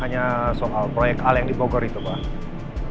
hanya soal proyek al yang dibongkar itu pak